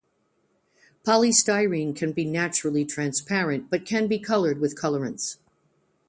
Polystyrene can be naturally transparent, but can be colored with colorants.